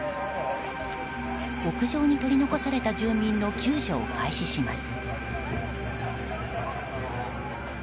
屋上に取り残された住民の救助を開始します。